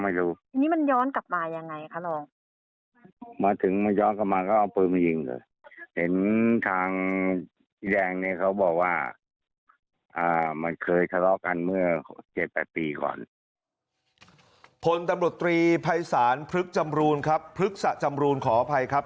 ผลตำรวจตรีภัยศาลพลึกจำรูนครับพฤกษะจำรูนขออภัยครับ